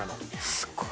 すごいね。